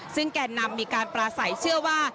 ซึ่งแก่นำมีการปราศัยเชื่อว่า